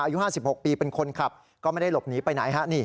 อายุ๕๖ปีเป็นคนขับก็ไม่ได้หลบหนีไปไหน